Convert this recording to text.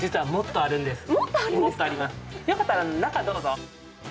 よかったら、中どうぞ。